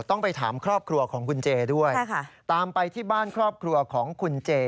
ต้องไปถามครอบครัวของคุณเจด้วยตามไปที่บ้านครอบครัวของคุณเจ